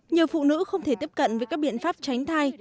nhiều phụ nữ không thể tiếp cận với các biện pháp tránh thai